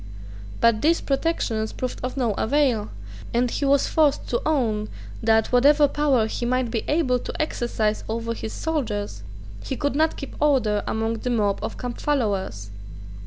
But these protections proved of no avail; and he was forced to own that, whatever power he might be able to exercise over his soldiers, he could not keep order among the mob of campfollowers.